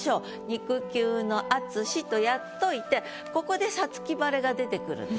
「肉球のあつし」とやっといてここで「五月晴れ」が出てくるんです。